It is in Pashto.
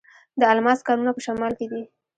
د الماس کانونه په شمال کې دي.